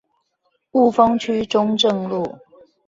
霧峰區中正路